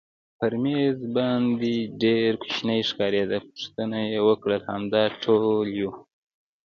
پر مېز باندې ډېر کوچنی ښکارېده، پوښتنه یې وکړل همدا ټول یو؟